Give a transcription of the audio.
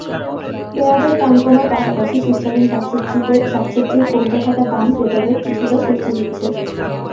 পেঁয়াজের দাম কমার পাশাপাশি শীতকালীন শাকসবজির কমতে থাকা দাম ক্রেতাদের কিছুটা স্বস্তি দিচ্ছে।